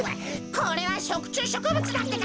これはしょくちゅうしょくぶつだってか。